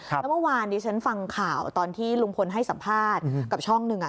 แล้วเมื่อวานนี้ฉันฟังข่าวตอนที่ลุงพลให้สัมภาษณ์กับช่องหนึ่ง